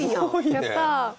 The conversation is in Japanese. やった。